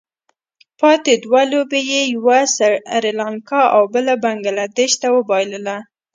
پاتې دوه لوبې یې یوه سري لانکا او بله بنګله دېش ته وبايلله.